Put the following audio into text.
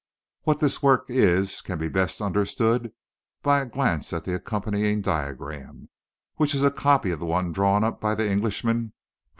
What this work is can be best understood by a glance at the accompanying diagram, which is a copy of the one drawn up by the Englishman for Mr. Tamworth.